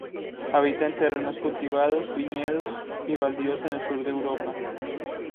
Habita en terrenos cultivados, viñedos y baldíos en el sur de Europa.